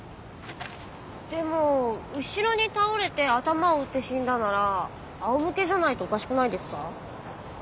でも後ろに倒れて頭を打って死んだなら仰向けじゃないとおかしくないですか？